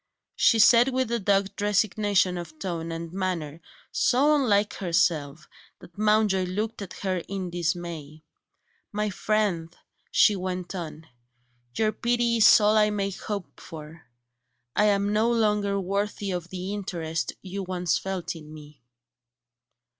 She said that with a dogged resignation of tone and manner, so unlike herself that Mountjoy looked at her in dismay. "My friend," she went on, "your pity is all I may hope for; I am no longer worthy of the interest you once felt in me."